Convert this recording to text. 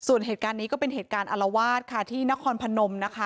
ส่วนเหตุการณ์นี้ก็เป็นเหตุการณ์อารวาสค่ะที่นครพนมนะคะ